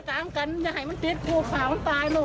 ซาปรสาวไหว